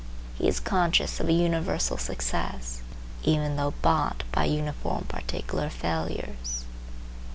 He is conscious of a universal success, even though bought by uniform particular failures.